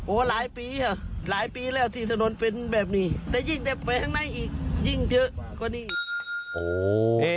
โอ้หลายปีฮะหลายปีแล้วที่ถนนเป็นแบบนี้แต่ยิ่งเต็มเต็มข้างในอีกยิ่งเยอะกว่านี้